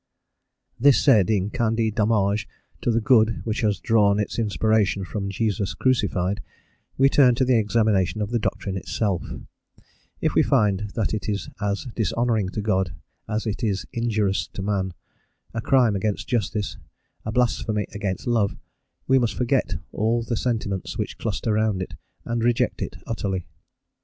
This said, in candi d'homage to the good which has drawn its inspiration from Jesus crucified, we turn to the examination of the doctrine itself: if we find that it is as dishonouring to God as it is injurious to man, a crime against justice, a blasphemy against love, we must forget all the sentiments which cluster round it, and reject it utterly.